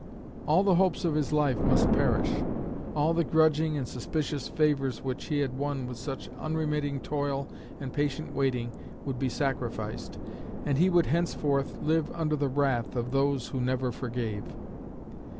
All the hopes of his life must perish; all the grudging and suspicious favours which he had won with such unremitting toil and patient waiting would be sacrificed, and he would henceforth live under the wrath of those who never forgave.